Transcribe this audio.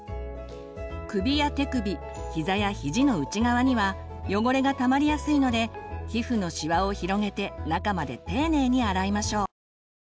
首や手首ひざやひじの内側には汚れがたまりやすいので皮膚のシワを広げて中まで丁寧に洗いましょう。